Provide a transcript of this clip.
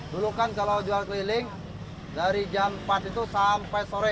dulu kan kalau jual keliling dari jam empat itu sampai sore